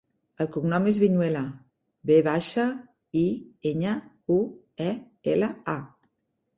El cognom és Viñuela: ve baixa, i, enya, u, e, ela, a.